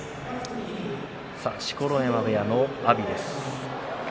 錣山部屋の阿炎です。